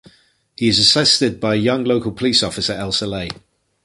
He is assisted by young local police officer Elsa Ley.